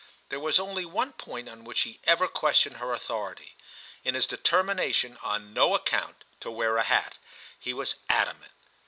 There was only one point on which he ever questioned her authority : in his determina tion on no account to wear a hat, he was adamant.